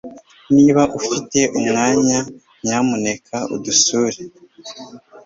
Niba ufite umwanya, nyamuneka udusure